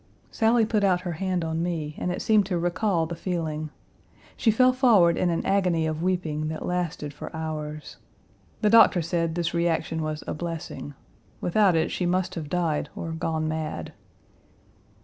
Sally put out her hand on me, and it seemed to recall the feeling. She fell forward in an agony of weeping that lasted for hours. The doctor said this reaction was a blessing; without it she must have died or gone mad.